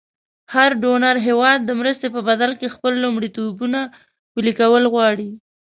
هر ډونر هېواد د مرستې په بدل کې خپل لومړیتوبونه پلې کول غواړي.